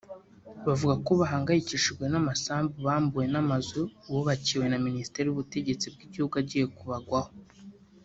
bavuga ko bahangayikishijwe n’amasambu bambuwe n’amazu bubakiwe na Minisiteri y’Ubutegetsi bw’igihugu agiye kubagwaho